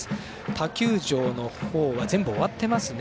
他球場の方は全部終わっていますね。